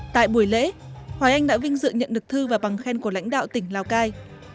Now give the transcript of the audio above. tại buổi lễ hoài anh đã vinh dự nhận được thư và bằng khen của lãnh đạo tỉnh lào cai